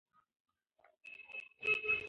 هغه ماشوم چې ښه خواړه خوري، ژر لوییږي.